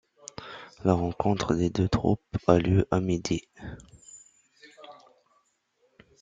La rencontre des deux troupes a lieu à midi.